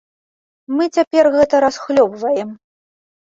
Мы цяпер гэта расхлёбваем.